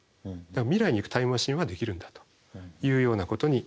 未来に行くタイムマシンはできるんだというようなことになります。